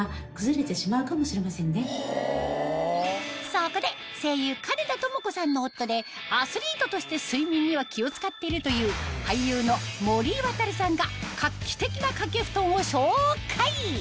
そこで声優金田朋子さんの夫でアスリートとして睡眠には気を使っているという俳優の森渉さんが画期的な掛けふとんを紹介！